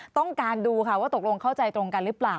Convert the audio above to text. ต้องการดูค่ะว่าตกลงเข้าใจตรงกันหรือเปล่า